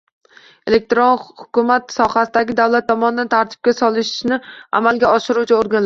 Elektron hukumat sohasini davlat tomonidan tartibga solishni amalga oshiruvchi organlar